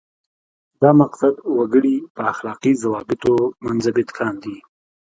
دا مقصد وګړي په اخلاقي ضوابطو منضبط کاندي.